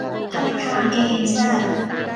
ธนาคารเอเอ็นแซด